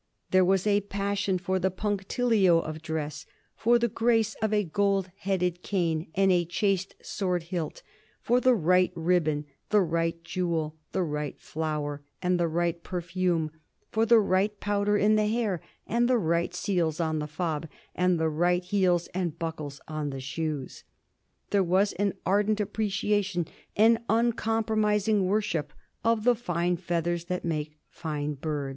There was a passion for the punctilio of dress, for the grace of a gold headed cane and a chased sword hilt, for the right ribbon, the right jewel, the right flower, and the right perfume, for the right powder in the hair and the right seals on the fob and the right heels and buckles on the shoes. There was an ardent appreciation, an uncompromising worship of the fine feathers that make fine birds.